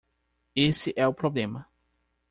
Esse é o problema.